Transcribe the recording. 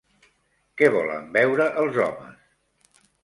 Què volen beure els homes?